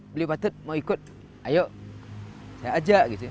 beliau patut mau ikut ayo saya ajak